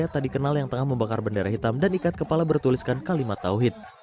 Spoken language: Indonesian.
yang tadi kenal yang tengah membakar bendera hitam dan ikat kepala bertuliskan kalimat tauhid